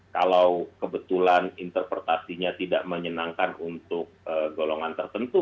kalau kebetulan interpretasinya tidak menyenangkan untuk golongan tertentu